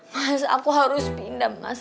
mas aku harus pindah mas